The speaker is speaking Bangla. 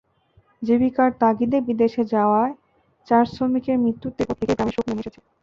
জীবিকার তাগিদে বিদেশে যাওয়া চার শ্রমিকের মৃত্যুতে প্রত্যেকের গ্রামে শোক নেমে এসেছে।